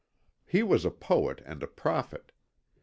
He was a poet and a prophet.